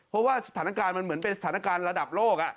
เพราะว่าสถานการณ์มันเหมือนเป็นสถานการณ์ระดับโลก